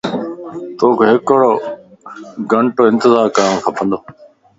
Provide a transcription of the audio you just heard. توک ھڪڙو گھنٽو انتظار کپندو